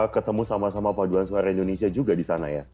ketemu sama sama paduan suara indonesia juga disana ya